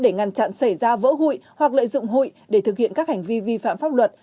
để ngăn chặn xảy ra vỡ hụi hoặc lợi dụng hụi để thực hiện các hành vi vi phạm pháp luật